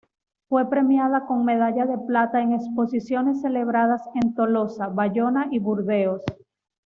Fue premiada con medalla de plata en exposiciones celebradas en Tolosa, Bayona y Burdeos.